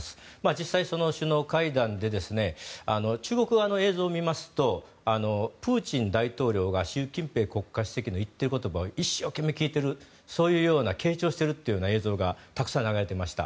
実際、首脳会談で中国側の映像を見ますとプーチン大統領が習近平国家主席の言っている言葉を一生懸命聞いているそういうような傾聴している映像がたくさん流れていました。